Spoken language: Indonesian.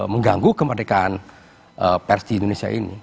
mengganggu kemerdekaan pers di indonesia ini